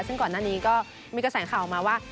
ซึ่งก่อนหน้านี้ก็มีกระแสข่าวออกมาว่า